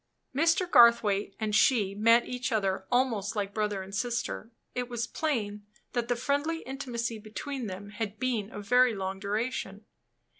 Mr. Garthwaite and she met each other almost like brother and sister; it was plain that the friendly intimacy between them had been of very long duration.